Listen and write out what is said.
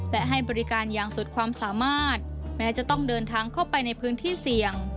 และให้บริการอย่างสุดความสามารถแม้จะต้องเดินทางเข้าไปในพื้นที่เสี่ยง